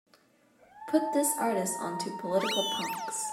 put this artist onto political punks.